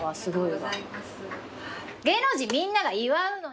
芸能人みんなが祝うのに。